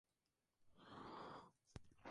Tras dos campañas más en Tercera, descendió.